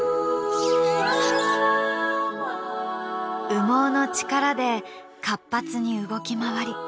羽毛の力で活発に動き回り